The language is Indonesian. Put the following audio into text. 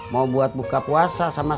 mau buat buka puasa sampai pagi